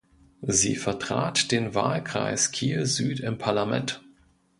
Sie vertrat den Wahlkreis Kiel-Süd im Parlament.